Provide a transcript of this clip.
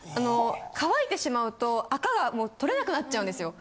乾いてしまうと垢が取れなくなっちゃうんですよ。